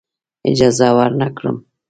اجازه ورنه کړم.